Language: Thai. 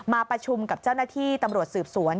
มาประชุมกับเจ้าหน้าที่ตำรวจสืบสวน